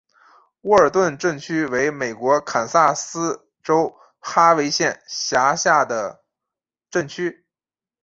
沃尔顿镇区为美国堪萨斯州哈维县辖下的镇区。